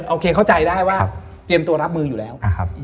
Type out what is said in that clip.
โอเคเข้าใจได้ว่าเตรียมตัวรับมืออยู่แล้ว